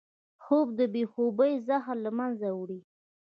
خوب د بې خوبۍ زهر له منځه وړي